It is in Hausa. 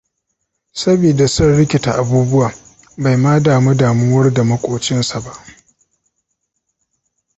Sabida son rikita abubuwa, bai ma damu damuwar da maƙocinsa ba.